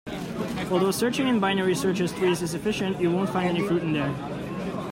Although searching in binary search trees is efficient, you won't find any fruit in there.